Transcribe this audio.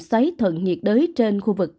xoáy thuận nhiệt đới trên khu vực